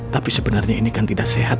tapi sebenarnya ini kan tidak sehat